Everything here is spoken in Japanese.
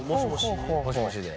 もしもしで？